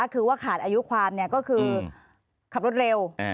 คือว่าขาดอายุความก็คือขับรถเร็ว